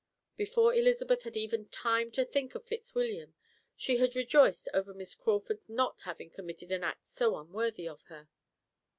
Before Elizabeth had even time to think of Fitzwilliam she had rejoiced over Miss Crawford's not having committed an act so unworthy of her.